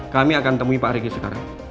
kami akan temui pak riki sekarang